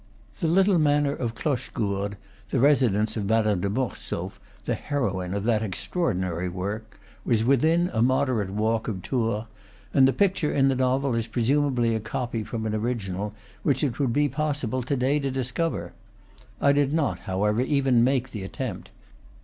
The little manor of Cloche gourde, the residence of Madame de Mortsauf, the heroine of that extraordinary work, was within a moderate walk of Tours, and the picture in the novel is presumably a copy from an original which it would be possible to day to discover. I did not, however, even make the attempt.